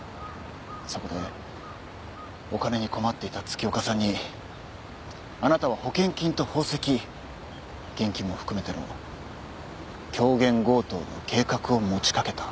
そこでお金に困っていた月岡さんにあなたは保険金と宝石現金も含めての狂言強盗の計画を持ち掛けた。